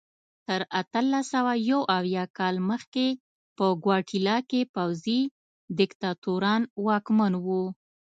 تر اتلس سوه یو اویا کال مخکې په ګواتیلا کې پوځي دیکتاتوران واکمن وو.